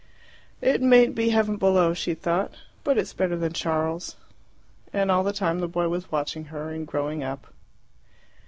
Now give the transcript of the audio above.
"It mayn't be heaven below," she thought, "but it's better than Charles." And all the time the boy was watching her, and growing up.